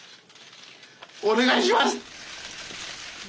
お願いします！